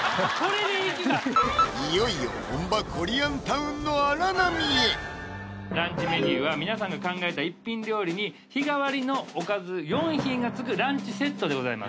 いよいよ本場・コリアンタウンの荒波へランチメニューは皆さんが考えた一品料理に日替わりのおかず４品が付くランチセットでございます